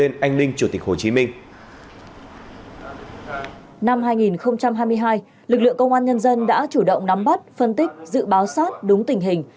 năm hai nghìn hai mươi hai lực lượng công an nhân dân đã chủ động nắm bắt phân tích dự báo sát đúng tình hình